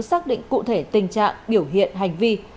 xác định cụ thể tình trạng biểu hiện hành vi